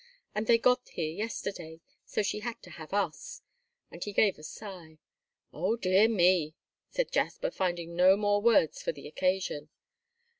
And they got here yesterday, so she had to have us," and he gave a sigh. "O dear me!" said Jasper, finding no more words for the occasion.